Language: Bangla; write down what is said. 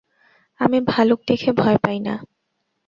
আমি ভালুক দেখে ভয় পাই না।